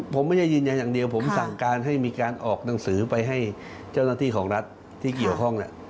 ผมไม่ได้ยืนยันอย่างเดียวผมสั่งการให้มีการออกหนังสือไปให้เจ้าหน้าที่ของรัฐที่เกี่ยวข้อง